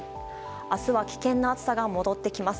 明日は危険な暑さが戻ってきます。